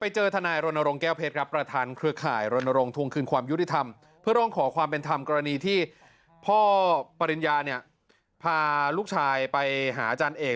คุณพ่อปริญญาเนี่ยพาลูกชายไปหาอาจารย์เอก